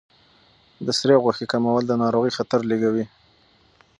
د سرې غوښې کمول د ناروغۍ خطر لږوي.